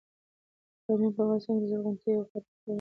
بامیان په افغانستان کې د زرغونتیا یوه خورا لویه نښه ده.